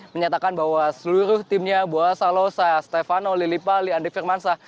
menyatakan bahwa seluruh timnya boa salosa stefano lilipa liande firmansa